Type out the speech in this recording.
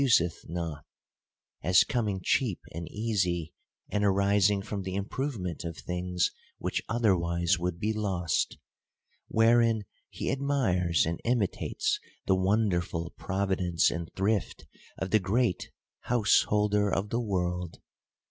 reth not ; as coming cheap and easy, and arising from the improvement of things which otherwise would be lost. Wherein he admires and imitates the wonderful providence and thrift of the great House holder of the world.